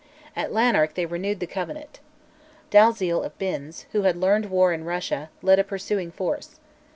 At Lanark they renewed the Covenant. Dalziel of Binns, who had learned war in Russia, led a pursuing force.